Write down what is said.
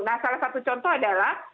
nah salah satu contoh adalah